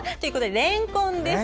れんこんです。